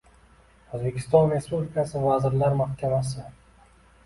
O‘zbekiston Respublikasi Vazirlar Mahkamasi: